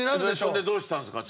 それでどうしたんですか？